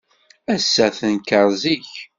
Ass-a, tenker zik.